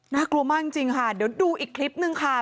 น่ากลัวมากจริงค่ะเดี๋ยวดูอีกคลิปนึงค่ะ